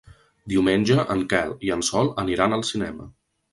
Diumenge en Quel i en Sol aniran al cinema.